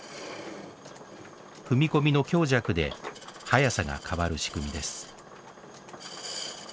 踏み込みの強弱で速さが変わる仕組みです